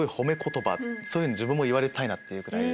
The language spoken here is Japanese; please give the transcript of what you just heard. そういうふうに自分も言われたいなってくらい。